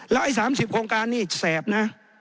แล้วไอ้สามสิบโครงการนี่แสบนะ